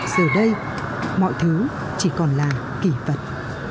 giờ đây mọi thứ chỉ còn là kỳ vật